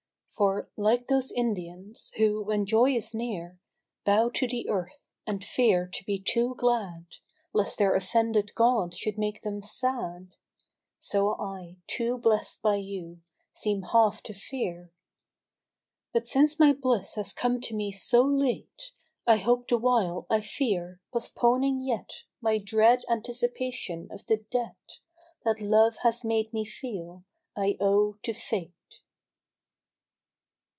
For, like those Indians, who, when joy is near, Bow to the earth, and fear to be too glad. Lest their offended god should make them sad. So I, too bless'd by you, seem half to fear. But since my bhss has come to me so late, I hope the while I fear, postponing yet My dread anticipation of the debt, That Love has made me feel I owe to Fate.